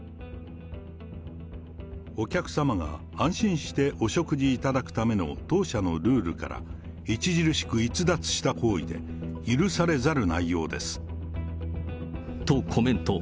お客さまが安心してお食事いただくための当社のルールから、著しく逸脱した行為で、とコメント。